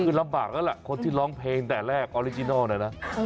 คือลำบากแล้วล่ะคนที่ร้องเพลงแต่แรกออริจินัลเนี่ยนะ